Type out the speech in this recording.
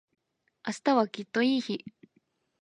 明日はきっといい日